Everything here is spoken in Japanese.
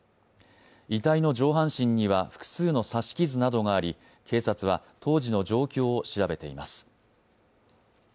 遺体の上半身には複数の刺し傷があり、警察は当時の状況を調べています。